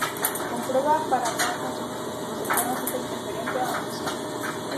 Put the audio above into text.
Comprueba par a par con sus respectivos cercanos esta interferencia o inducción.